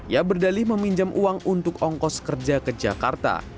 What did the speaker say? ia berdalih meminjam uang untuk ongkos kerja ke jakarta